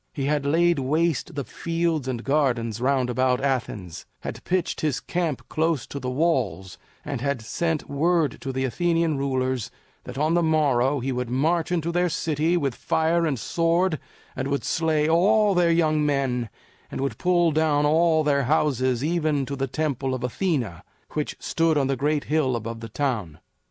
He had laid waste the fields and gardens round about Athens, had pitched his camp close to the walls, and had sent word to the Athenian rulers that on the morrow he would march into their city with fire and sword and would slay all their young men and would pull down all their houses, even to the Temple of Athena, which stood on the great hill above the town.